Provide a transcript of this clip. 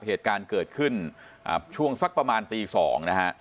เหตุการณ์เกิดขึ้นช่วงสักประมาณตี๒นะฮะ